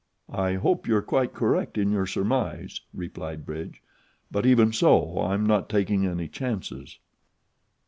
"I hope you are quite correct in your surmise," replied Bridge. "But even so I'm not taking any chances."